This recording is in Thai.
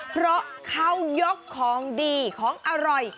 เพราะเขายกของดีของอร่อย